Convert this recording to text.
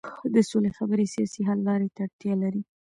د سولې خبرې سیاسي حل لارې ته اړتیا لري